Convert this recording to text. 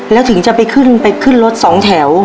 แล้วถึงจะไปขึ้นไปขึ้นรถสองแถว